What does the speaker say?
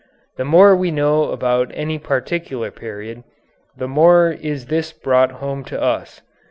The more we know about any particular period, the more is this brought home to us.